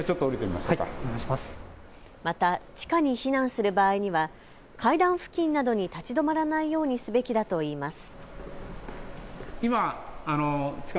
また地下に避難する場合には階段付近などに立ち止まらないようにすべきだといいます。